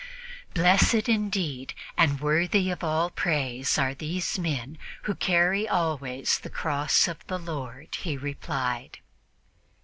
"Blessed indeed and worthy of all praise are these men who carry always the cross of the Lord," he replied.